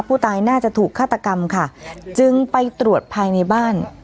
น่าจะถูกฆาตกรรมค่ะจึงไปตรวจภายในบ้าน